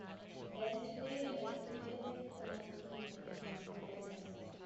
Benchmade has three different classes when it comes to their knives.